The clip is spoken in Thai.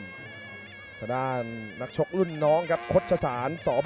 แล้วต่อพิกัดได้ครับทุกคนนะครับทุกคนนะครับ